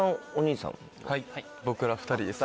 はい僕ら２人です。